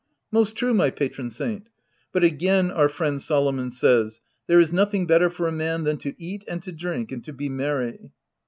" Most true my patron saint ; but again, our friend Solomon says, —' There is nothing better for a man than to eat and to drink, and to be merry."